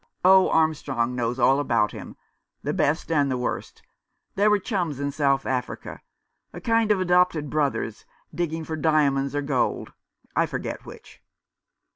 " Oh, Armstrong knows all about him ; the best and the worst. They were chums in South Africa — a kind of adopted brothers — digging for diamonds, or gold ; I forget which."